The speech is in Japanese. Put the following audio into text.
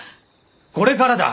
これからだ！